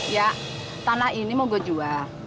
ya tanah ini mau gue jual